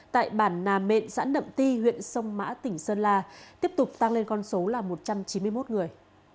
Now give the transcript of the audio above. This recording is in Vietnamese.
tại bản nà mện xã nậm ti huyện sông mã tỉnh sơn la tiếp tục tăng lên con số là một trăm chín mươi một người